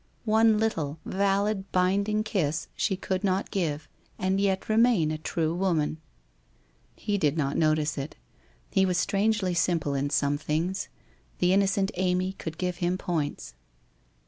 One little, valid, binding kiss she could not give, and yet remain a true woman ! He did not notice it; he was strangely simple in some things. The innocent Amy could give him points.